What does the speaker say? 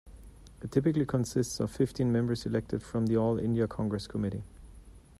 It typically consists of fifteen members elected from the All India Congress Committee.